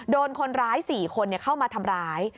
โดนคนร้าย๔คนเข้ามาทำร้าย